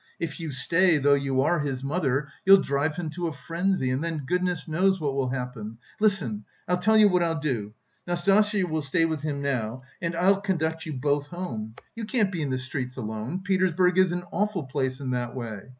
"If you stay, though you are his mother, you'll drive him to a frenzy, and then goodness knows what will happen! Listen, I'll tell you what I'll do: Nastasya will stay with him now, and I'll conduct you both home, you can't be in the streets alone; Petersburg is an awful place in that way....